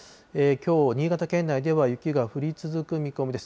きょう、新潟県内では雪が降り続く見込みです。